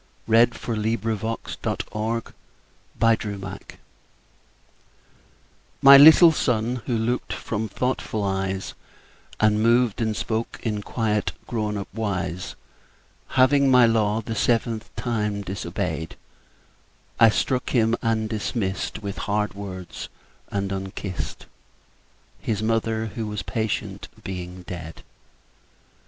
1823–1896 763. The Toys MY little Son, who look'd from thoughtful eyes And moved and spoke in quiet grown up wise, Having my law the seventh time disobey'd, I struck him, and dismiss'd With hard words and unkiss'd, 5 —His Mother, who was patient, being dead.